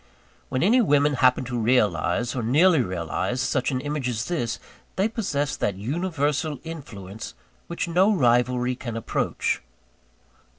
When any women happen to realise, or nearly to realise, such an image as this, they possess that universal influence which no rivalry can ever approach.